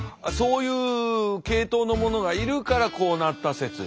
そういう系統のものがいるからこうなった説。